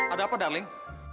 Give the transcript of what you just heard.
ada apa darling